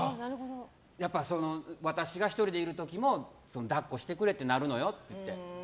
やっぱり私が１人でいる時も抱っこしてくれってなるのよって。